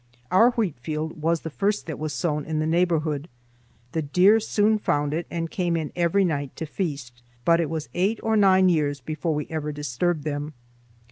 Our wheat field was the first that was sown in the neighborhood. The deer soon found it and came in every night to feast, but it was eight or nine years before we ever disturbed them.